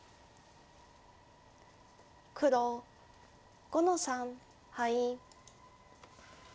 黒５の三ハイ。